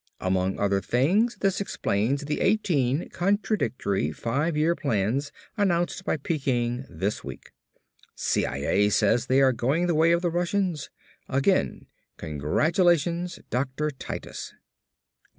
Among other things, this explains the eighteen contradictory Five Year Plans announced by Peiping this week. CIA says they are going the way of the Russians. Again congratulations, Dr. Titus."